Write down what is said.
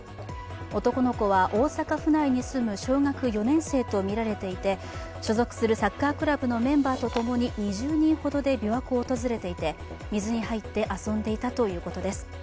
男の子は大阪府内に住む小学４年生とみられていて所属するサッカークラブのメンバーとともに２０人ほどで琵琶湖を訪れていて水に入って遊んでいたということです。